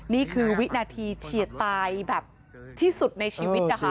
นี่คือวินาทีเฉียดตายแบบที่สุดในชีวิตนะคะ